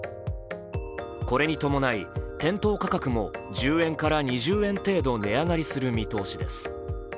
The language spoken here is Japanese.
これに伴い、店頭価格も１０円から２０円程度値上がりする見通しです。